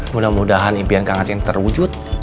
mudah mudahan impian kang aceh terwujud